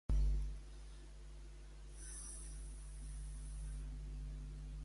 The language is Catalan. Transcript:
On va viure Josepa?